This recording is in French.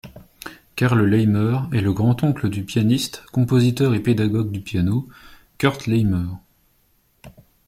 Karl Leimer est le grand-oncle du pianiste, compositeur et pédagogue du piano, Kurt Leimer.